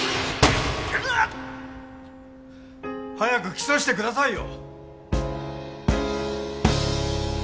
うわっ！！早く起訴してくださいよ！